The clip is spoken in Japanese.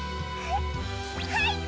はい！